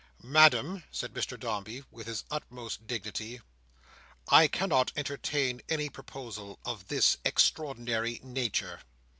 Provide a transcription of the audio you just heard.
"Madam," said Mr Dombey, with his utmost dignity, "I cannot entertain any proposal of this extraordinary nature."